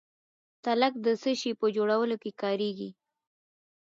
تالک د څه شي په جوړولو کې کاریږي؟